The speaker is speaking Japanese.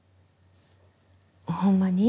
ほんまに？